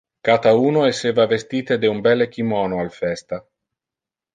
Cata uno esseva vestite de un belle kimono al festa.